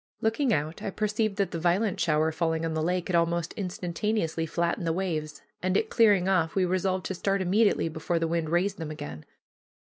Looking out, I perceived that the violent shower falling on the lake had almost instantaneously flattened the waves, and, it clearing off, we resolved to start immediately, before the wind raised them again.